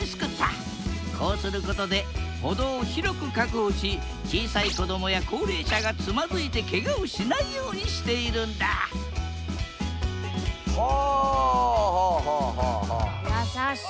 こうすることで歩道を広く確保し小さい子どもや高齢者がつまずいてケガをしないようにしているんだはあはあはあ。